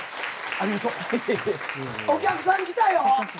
お客さん来たよ。